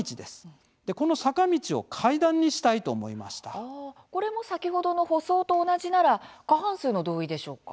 ああこれも先ほどの舗装と同じなら過半数の同意でしょうか。